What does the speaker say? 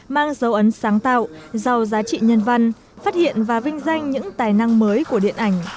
mang dấu ấn sáng tạo giàu giá trị nhân văn phát hiện và vinh danh những tài năng mới của điện ảnh